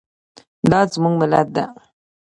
دا زموږ ملت ده